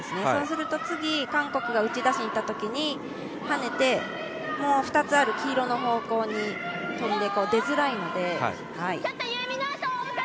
そうすると次、韓国が打ち出しにいったときにはねてもう２つある黄色の方向に飛んで、出づらいので。